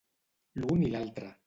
L'un i l'altre.